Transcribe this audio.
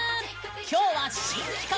今日は新企画！